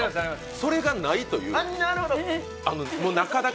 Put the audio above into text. それがないという、中だけ。